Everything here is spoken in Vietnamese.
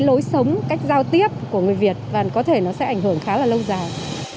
lối sống cách giao tiếp của người việt và có thể nó sẽ ảnh hưởng khá là lâu dài